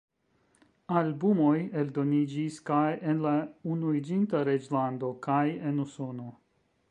Albumoj eldoniĝis kaj en la Unuiĝinta Reĝlando kaj en Usono.